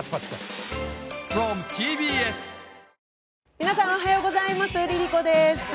皆さんおはようございます、ＬｉＬｉＣｏです。